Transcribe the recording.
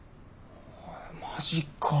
マジかあ。